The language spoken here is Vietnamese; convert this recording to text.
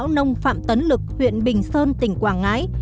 của lão nông phạm tấn lực huyện bình sơn tỉnh quảng ngãi